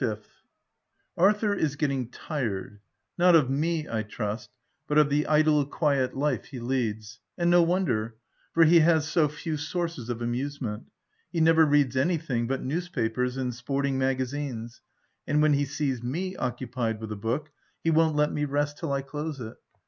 — Arthur is getting tired — not of me I trust, but of the idle, quiet life he leads — and no wonder, for he has so few sources of amusement; he never reads anything but news papers and sporting magazines ; and when he sees me occupied with a book, he won't let me rest till I close it.